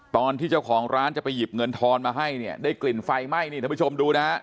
ตอนที่เจ้าของร้านจะไปหยิบเงินทอนมาให้เนี่ยได้กลิ่นไฟไหม้นี่ท่านผู้ชมดูนะฮะ